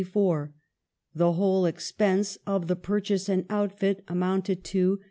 The whole expense of the pur chase and outfit amounted to .